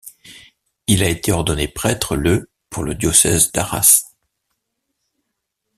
Il a été ordonné prêtre le pour le diocèse d'Arras.